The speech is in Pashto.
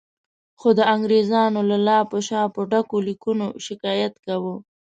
خو د انګریزانو له لاپو شاپو ډکو لیکونو شکایت کاوه.